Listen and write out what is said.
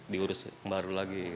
diurus baru lagi